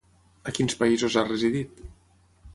A quins països ha residit?